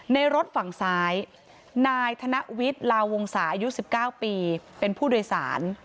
รถฝั่งซ้ายนายธนวิทย์ลาวงศาอายุ๑๙ปีเป็นผู้โดยสาร